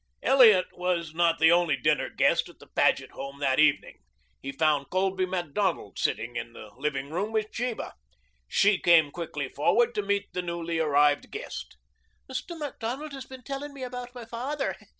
Elliot was not the only dinner guest at the Paget home that evening. He found Colby Macdonald sitting in the living room with Sheba. She came quickly forward to meet the newly arrived guest. "Mr. Macdonald has been telling me about my father.